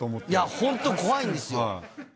本当、怖いんですよ。